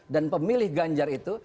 dan pemilih ganjar itu